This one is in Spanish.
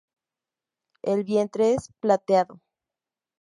El vientre es plateado.